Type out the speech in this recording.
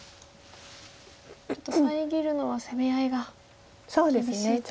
ちょっと遮るのは攻め合いが厳しいと。